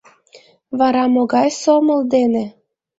— Вара могай сомыл дене?